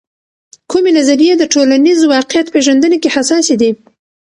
کومې نظریې د ټولنیز واقعیت پیژندنې کې حساسې دي؟